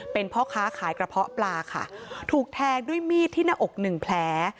เป็นพ่อค้าขายกระเพาะปลาค่ะถูกแทงด้วยมีดที่หน้าอกหนึ่งแผล